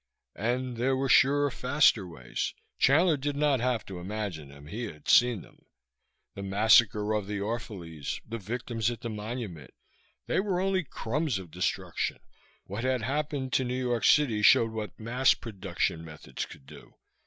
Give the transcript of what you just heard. And there were surer, faster ways. Chandler did not have to imagine them, he had seen them. The massacre of the Orphalese, the victims at the Monument they were only crumbs of destruction. What had happened to New York City showed what mass production methods could do.